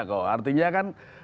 kok artinya kan